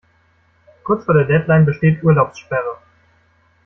Kurz vor der Deadline besteht Urlaubssperre.